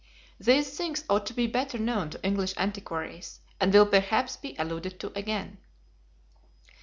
These things ought to be better known to English antiquaries, and will perhaps be alluded to again.